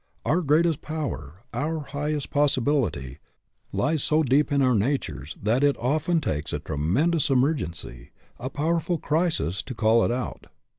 Our greatest power, our highest possi bility, lies so deep in our natures that it often takes a tremendous emergency, a powerful crisis, to call it out.